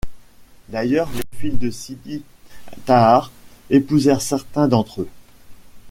D'ailleurs les filles de Sidi Tahar épousèrent certains d'entre eux.